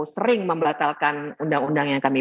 sering membatalkan undang undang yang kami